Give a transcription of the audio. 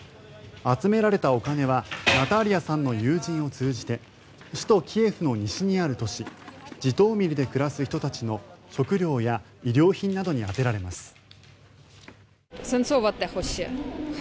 集められたお金はナターリアさんの友人を通じて首都キエフの西にある都市ジトーミルで暮らす人たちの食料や医療品などに充てられます。